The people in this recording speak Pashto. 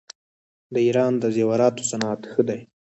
د ایران د زیوراتو صنعت ښه دی.